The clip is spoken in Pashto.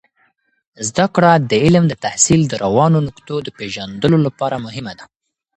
زده کړه د علم د تحصیل د روانو نقطو د پیژندلو لپاره مهمه ده.